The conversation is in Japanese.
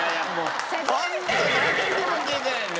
ホント何も聞いてないね。